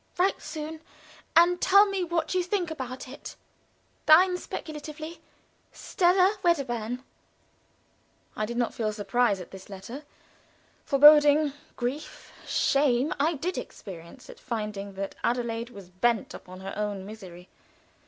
Write soon, and tell me what you think about it. "Thine, speculatively, "STELLA WEDDERBURN." I did not feel surprise at this letter. Foreboding, grief, shame, I did experience at finding that Adelaide was bent upon her own misery.